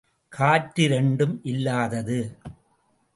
காற்று இரண்டும் இல்லாதது.